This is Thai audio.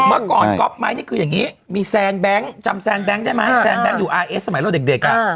เมื่อก่อนก๊อปไม้นี่คืออย่างนี้มีแซนแบงค์จำแซนแบงค์ได้ไหมแซนแก๊งอยู่อาร์เอสสมัยเราเด็กอ่ะ